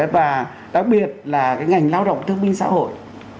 và đặc biệt là cái ngành lao động thương binh xã hội